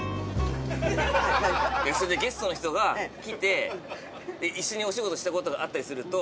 ゲストの人が来て一緒にお仕事したことがあったりすると。